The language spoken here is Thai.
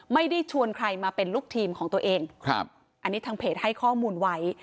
ไม่ได้ชวนใครมาเป็นลูกทีมของตัวเองครับอันนี้ทางเพจให้ข้อมูลไว้